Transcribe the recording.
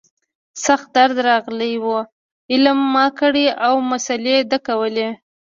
سخت درد راغلى و علم ما کړى او مسالې ده کولې.